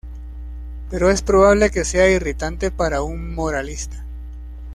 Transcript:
pero es probable que sea irritante para un moralista